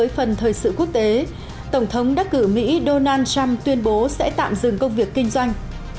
phần thời sự quốc tế tổng thống đắc cử mỹ donald trump tuyên bố sẽ tạm dừng công việc kinh doanh